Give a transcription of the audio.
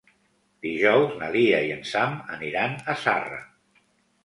Dijous na Lia i en Sam aniran a Zarra.